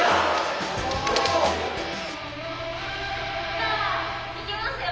じゃあいきますよ。